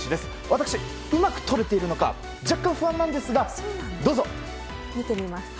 私、うまく撮れているのか若干不安なんですが、どうぞ。